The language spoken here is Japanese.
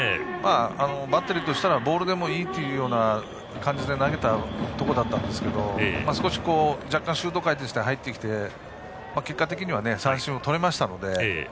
バッテリーとしたらボールでもいいという感じで投げたところでしたが若干、シュート回転して入ってきて結果的には三振をとりましたので。